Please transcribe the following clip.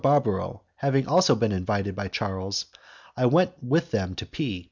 Barbaro having been also invited by Charles, I went with them to P